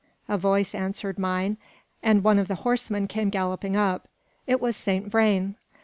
A voice answered mine, and one of the horsemen came galloping up; it was Saint Vrain.